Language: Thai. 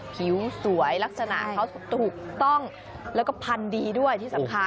ผิวสวยลักษณะเขาถูกต้องแล้วก็พันธุ์ดีด้วยที่สำคัญ